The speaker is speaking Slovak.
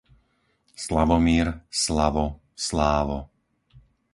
Slavomír, Slavo, Slávo